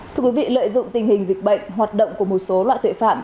thưa quý vị lợi dụng tình hình dịch bệnh hoạt động của một số loại tội phạm